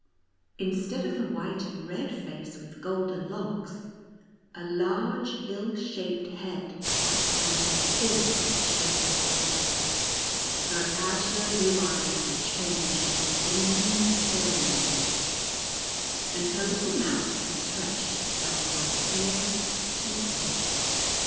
Instead of the white and red face with golden locks, a large, ill shaped head sat upon her thin shrivelled body, her azure blue eyes were changed into green staring ones, and her little mouth had stretched itself from ear to ear.